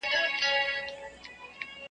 که مېرمن وه که یې دواړه ماشومان وه .